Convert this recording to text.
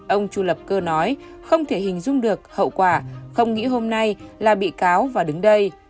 ông chu lập cơ nói không thể hình dung được hậu quả không nghĩ hôm nay là bị cáo và đứng đây